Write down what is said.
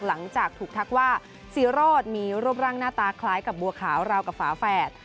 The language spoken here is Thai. หลังจากถูกทักว่าซีโรธมีรูปร่างหน้าตาคล้ายกับบัวขาวราวกับฝาแฝด